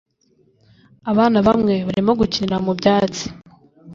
Abana bamwe barimo gukinira mu byatsi